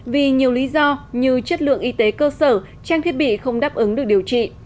vì nhiều lý do như chất lượng y tế cơ sở trang thiết bị không đáp ứng được điều trị